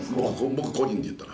僕個人でいったら。